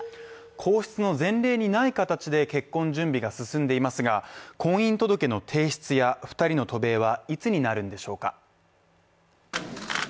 皇室の前例にない形で結婚準備が進んでいますが、婚姻届の提出や、２人の渡米はいつになるんでしょうか？